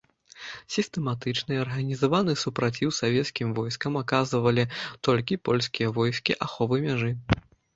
Сістэматычны і арганізаваны супраціў савецкім войскам аказвалі толькі польскія войскі аховы мяжы.